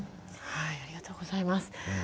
ありがとうございます。